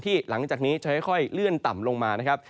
หลังจากนี้จะค่อยเลื่อนต่ำลงมานะครับ